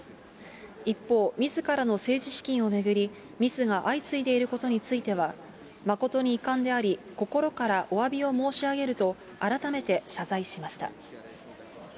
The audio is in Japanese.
一方、みずからの政治資金を巡り、ミスが相次いでいることについては、誠に遺憾であり、心からおわびを申し上げると、改めて謝罪しました。